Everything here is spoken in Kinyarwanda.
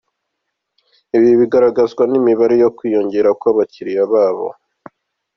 Ibi bigaragazwa n’imibare yo kwiyongera kw’abakiriya babo.